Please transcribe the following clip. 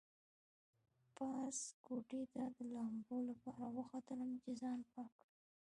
پاس کوټې ته د لامبو لپاره وختلم چې ځان پاک کړم.